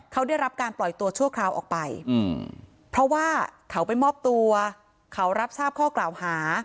เขาได้รับการปล่อยตัวชั่วคราวออกไปเพราะว่าเขาไปมอบตัวเขารับทราบข้อกล่าวหา